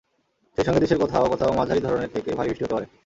সেই সঙ্গে দেশের কোথাও কোথাও মাঝারি ধরনের থেকে ভারী বৃষ্টি হতে পারে।